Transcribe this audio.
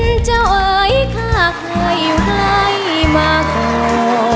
ดินเจ้าเอ๋ยข้าเคยไว้มาก่อน